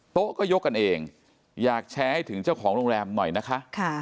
โต๊ะก็ยกกันเองอยากแชร์ให้ถึงเจ้าของโรงแรมหน่อยนะคะ